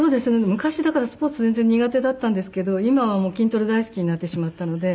昔だからスポーツ全然苦手だったんですけど今は筋トレ大好きになってしまったので。